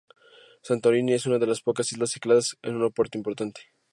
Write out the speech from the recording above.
Santorini es una de las pocas Islas Cícladas con un aeropuerto importante.